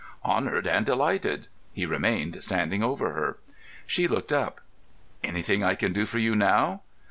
"Honoured and delighted." He remained standing over her. She looked up. "Anything I can do for you, now?"